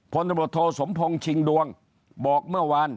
ตำรวจโทสมพงศ์ชิงดวงบอกเมื่อวาน